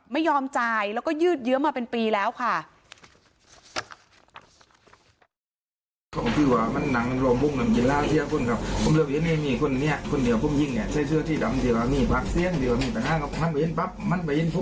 ไม่ยอมจ่ายแล้วก็ยืดเยื้อมาเป็นปีแล้วค่ะ